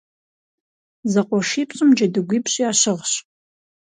ЗэкъуэшипщӀым джэдыгуипщӀ ящыгъщ.